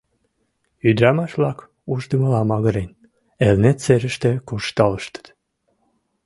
Ӱдырамаш-влак, ушдымыла магырен, Элнет серыште куржталыштыт.